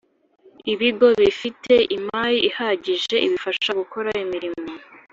Ibigo bifite imari ihagije ibifasha gukora imirimo